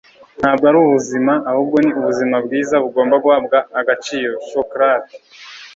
ntabwo ari ubuzima, ahubwo ni ubuzima bwiza, bugomba guhabwa agaciro. - socrate